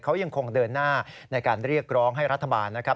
เขายังคงเดินหน้าในการเรียกร้องให้รัฐบาลนะครับ